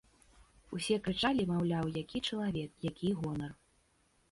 Усе крычалі, маўляў, які чалавек, які гонар.